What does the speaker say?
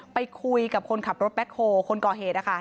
ไปคุยกับคนขับรถแบ็คโฮคนก่อเหตุนะคะ